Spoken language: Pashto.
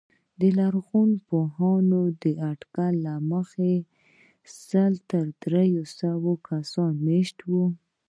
د لرغونپوهانو د اټکل له مخې سل تر درې سوه کسان مېشت وو